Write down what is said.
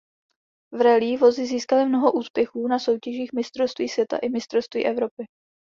V rallye vozy získaly mnoho úspěchů na soutěžích mistrovství světa i mistrovství Evropy.